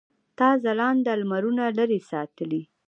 تا ځلاند لمرونه لرې ساتلي.